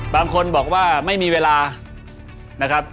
บางคนบอกว่าไม่มีเวลานะครับ